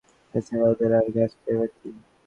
এছাড়া, ওদের আর কাজটাই বা কী?